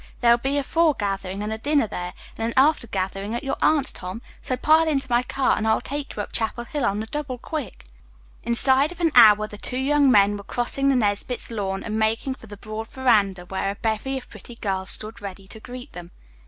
There'll be a foregathering and a dinner there, and an after gathering at your aunt's, Tom. So pile into my car and I'll take you up Chapel Hill on the double quick." Inside of an hour the two young men were crossing the Nesbit's lawn and making for the broad veranda where a bevy of pretty girls stood ready to greet them.